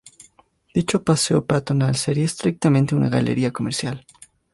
Dicho paseo peatonal sería estrictamente una galería comercial.